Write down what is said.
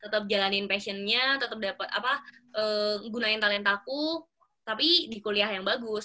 tetap jalanin passionnya tetap dapat gunain talentaku tapi di kuliah yang bagus